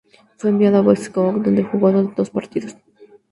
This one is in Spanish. Fue enviado a Boise Hawks, donde jugó en dos partidos.